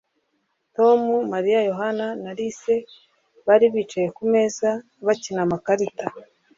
Tom Mariya Yohani na Alice bari bicaye ku meza bakina amakarita